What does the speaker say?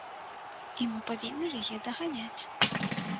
І мы павінны яе даганяць.